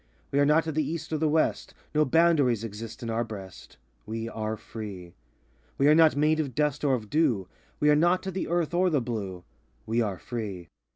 We are not of the East or the West; No boundaries exist in our breast: We are free. We are not made of dust or of dew; We are not of the earth or the blue: We are free.